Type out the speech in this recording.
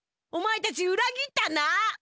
お前たちうらぎったな！？